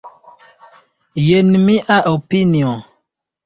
Jen mia opinio.